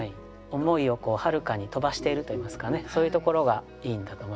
思いをはるかに飛ばしているといいますかねそういうところがいいんだと思いますね。